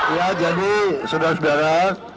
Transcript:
ya jadi saudara saudara